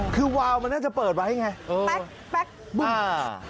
คือวาวมันน่าจะเปิดไว้ไงปั๊กปั๊กบุ้มอ่า